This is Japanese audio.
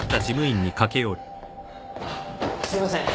あっすいません。